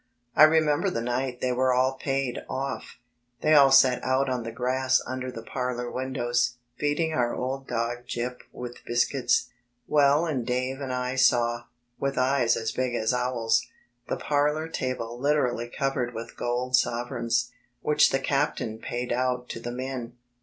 I remember the night they were all paid off: they all sat out on the grass under the parlour windows, feeding our old dog Gyp with biscuits. Well and Dave and I saw, with eyes as big as owls', the parlour table literally covered with gold sovereigns, which the captain paid out to the men.